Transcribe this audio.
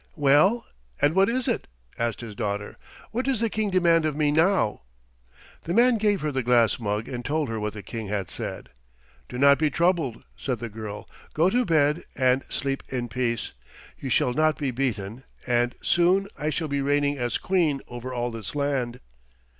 "Well, and what is it?" asked his daughter. "What does the King demand of me now?" The man gave her the glass mug and told her what the King had said. "Do not be troubled," said the girl. "Go to bed and sleep in peace. You shall not be beaten, and soon I shall be reigning as Queen over all this land."